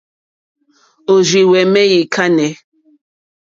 Òrzìhwɛ̀mɛ́ î kánɛ́.